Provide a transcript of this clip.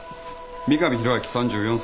三上弘明３４歳。